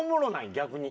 逆に。